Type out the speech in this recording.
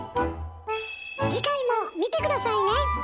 次回も見て下さいね！